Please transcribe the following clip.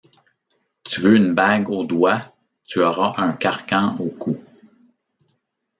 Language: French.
Tu veux une bague au doigt, tu auras un carcan au cou.